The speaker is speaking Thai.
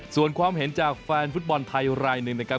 ส่วนความเห็นจากแฟนฟุตบอลไทยรายหนึ่งนะครับ